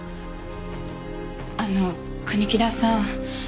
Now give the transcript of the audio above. あの国木田さん